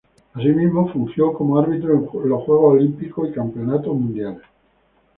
Asimismo, fungió como árbitro en Juegos Olímpicos y campeonatos mundiales.